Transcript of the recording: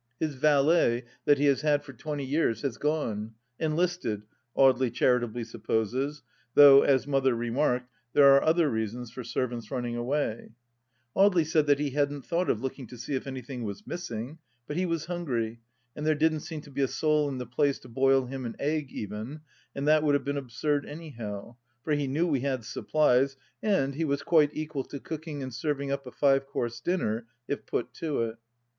His valet, that he has had for twenty years, has gone — enlisted, Audely charitably supposes, though, as Mother remarked, there are other reasons for servants running away ! Audely said that he hadn't thought of looking to see if anything was missing, but he was hungry, and there didn't seem to be a soul in the place to boil him an egg, even, and that would have been absurd anyhow, for he Imew we had supplies and he was quite equal to cookhig and serving up a five course dinner if put to it.